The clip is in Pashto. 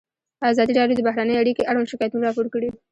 ازادي راډیو د بهرنۍ اړیکې اړوند شکایتونه راپور کړي.